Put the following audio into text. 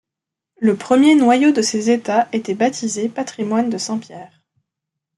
Le premier noyau de ces États était baptisé patrimoine de saint Pierre.